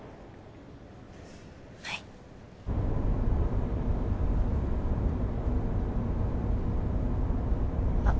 はいあっ